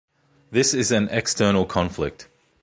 This is an external conflict.